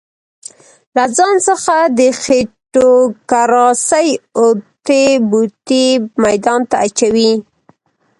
له ځان څخه د خېټوکراسۍ اوتې بوتې ميدان ته اچوي.